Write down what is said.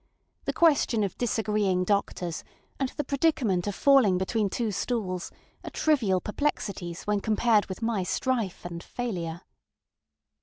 The question of disagreeing doctors, and the predicament of falling between two stools, are trivial perplexities when compared with my strife and failure.